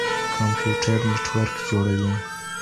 کمپيوټر نېټورک جوړوي.